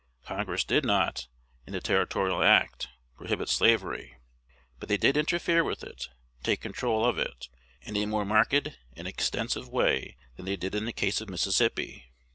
Congress did not, in the Territorial Act, prohibit slavery; but they did interfere with it, take control of it, in a more marked and extensive way than they did in the case of Mississippi.